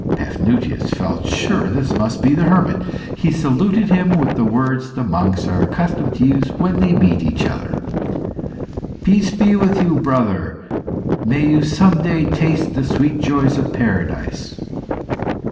Paphnutius felt sure this must be the hermit. He saluted him with the words the monks are accustomed to use when they meet each other. "Peace be with you, brother! May you some day taste the sweet joys of paradise."